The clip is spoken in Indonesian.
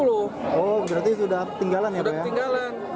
oh berarti sudah ketinggalan ya pak ya